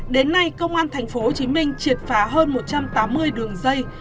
đến nay công an tp hcm triệt phá hơn một trăm tám mươi đường dây